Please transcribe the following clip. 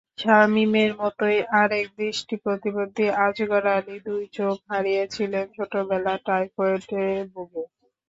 শামীমের মতোই আরেক দৃষ্টিপ্রতিবন্ধী আজগর আলী দুই চোখ হারিয়েছিলেন ছোটবেলায় টাইফয়েডে ভুগে।